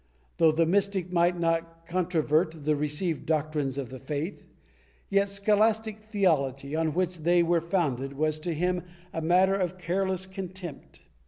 Though the mystic might not con trovert the received doctrines of the faith, yet scholastic theology, on which they were founded, was to him a matter of careless contempt.